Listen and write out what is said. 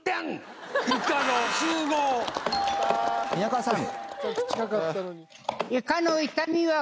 皆川さん